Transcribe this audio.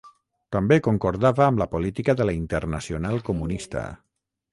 També concordava amb la política de la Internacional Comunista.